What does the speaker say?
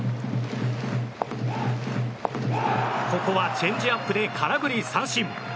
ここはチェンジアップで空振り三振。